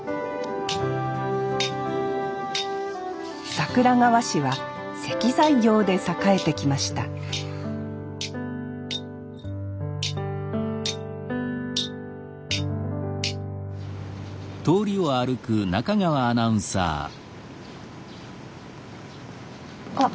桜川市は石材業で栄えてきましたあっ